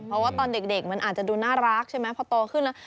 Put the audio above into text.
เพราะว่าตอนเด็กมันอาจจะดูน่ารักใช่ไหมพอโตขึ้นแล้ว